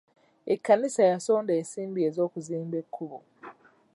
Ekkanisa yasonda ensimbi e'zokuzimba ekkubo.